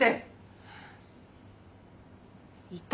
いた？